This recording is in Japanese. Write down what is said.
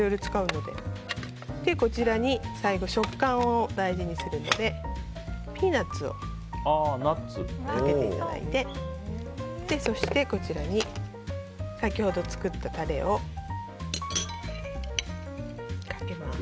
そしてこちらに最後、食感を大事にするのでピーナツをかけていただいてそして、先ほど作ったタレをかけます。